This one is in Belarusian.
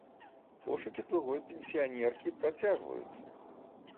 Пошукі другой пенсіянеркі працягваюцца.